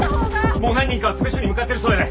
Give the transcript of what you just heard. もう何人かは詰め所に向かってるそうやで。